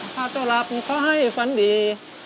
ถ้าเจ้าหลับก็ขอให้ฝันดี